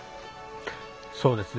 そうですね。